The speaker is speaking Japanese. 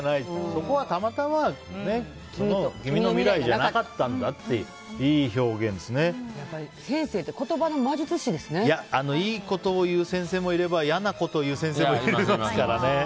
そこは、たまたま君の未来じゃなかったんだっていうやっぱり先生っていいことを言う先生もいれば嫌なことを言う先生もいますからね。